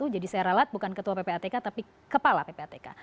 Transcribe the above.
jadi saya ralat bukan ketua ppatk tapi kepala ppatk